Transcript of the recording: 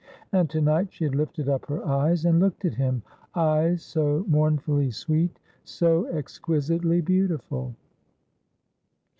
And to night she had lifted up her eyes and looked at him— eyes so mourn fully sweet, so exquisitely beautiful.